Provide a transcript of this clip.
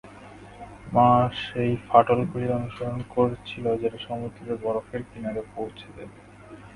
মা সেই ফাটলগুলি অনুসরণ করছিল যেটা সমুদ্রের বরফের কিনারে পৌঁছে দেবে।